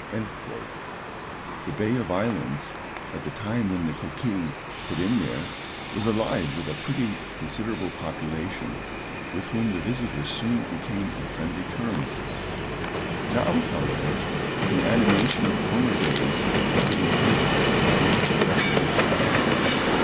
The Bay of Islands, at the time when the Coquille put in there, was alive with a pretty considerable population, with whom the visitors soon became on friendly terms. Now, however, the animation of former days had given place to the silence of desolation.